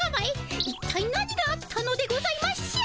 いったい何があったのでございましょう。